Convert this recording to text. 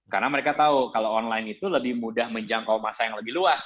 karena mereka tahu kalau online itu lebih mudah menjangkau masa yang lebih luas